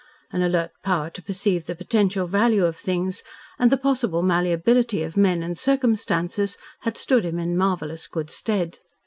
An alert power to perceive the potential value of things and the possible malleability of men and circumstances, had stood him in marvellous good stead.